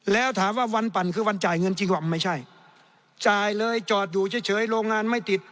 แล้วถามว่าวันปั่นคือวันจ่ายเงินจริงว่ะไม่ใช่จ่ายเลยจอดอยู่เฉยโรงงานไม่ติด